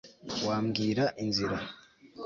wambwira inzira